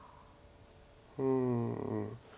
うん。